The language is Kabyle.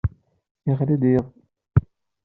Iɣli-d yiḍ!